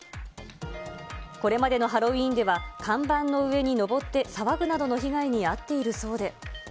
これまでのハロウィーンでは、看板の上に上って騒ぐなどの被害に遭っているそうで。